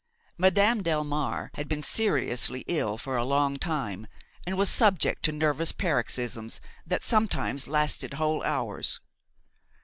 Madame Delmare had been seriously ill for a long time, and was subject to nervous paroxysms which sometimes lasted whole hours.